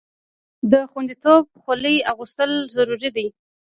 د خوندیتوب خولۍ اغوستل ضروري دي.